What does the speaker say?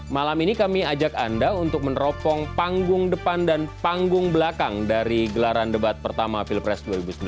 malam ini kami ajak anda untuk meneropong panggung depan dan panggung belakang dari gelaran debat pertama pilpres dua ribu sembilan belas